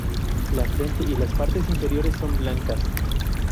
La frente y las partes inferiores son blancas.